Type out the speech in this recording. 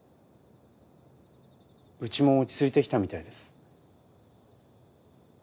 うちも落ち着いてきたみたいです。